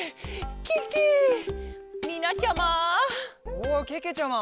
おおけけちゃま。